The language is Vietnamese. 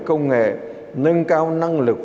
công nghệ nâng cao năng lực